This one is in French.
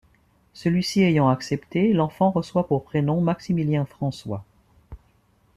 Celui-ci ayant accepté, l'enfant reçoit pour prénom Maximilien-François.